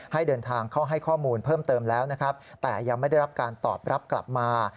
ให้เดินทางเข้าให้ข้อมูลเพิ่มเติมแล้วนะครับแต่ยังไม่ได้รับการตอบรับกลับมา